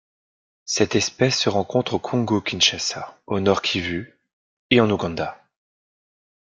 Cette espèce se rencontre au Congo-Kinshasa au Nord-Kivu et en Ouganda.